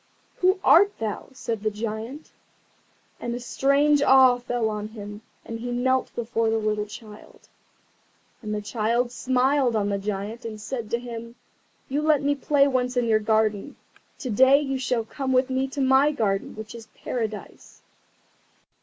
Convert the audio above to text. "Who art thou?" said the Giant, and a strange awe fell on him, and he knelt before the little child. And the child smiled on the Giant, and said to him, "You let me play once in your garden, to day you shall come with me to my garden, which is Paradise."